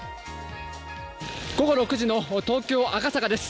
午後６時の東京・赤坂です。